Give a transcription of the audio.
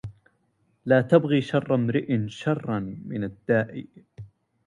لا تبغ شر امرئ شرا من الداء